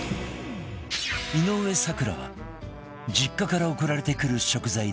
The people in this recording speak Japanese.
井上咲楽は実家から送られてくる食材で夕飯作り